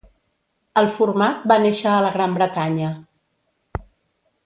El format va néixer a la Gran Bretanya.